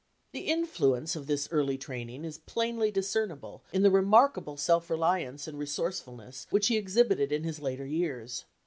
The influence of this early training is plainly discernible in the remarkable self reliance and resourcefulness which he exhibited in his later years.